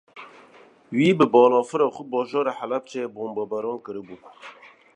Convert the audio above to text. Wî, bi balafira xwe bajarê Helebceyê bombebaran kiribû